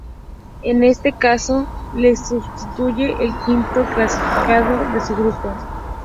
En este caso, le substituye el quinto clasificado de su grupo.